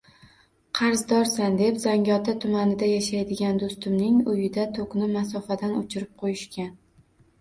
Qarzdorsan deb Zangiota tumanida yashaydigan doʻstimning uyida tokni masofadan oʻchirib qoʻyishgan.